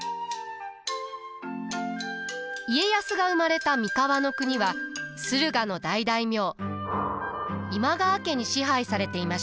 家康が生まれた三河国は駿河の大大名今川家に支配されていました。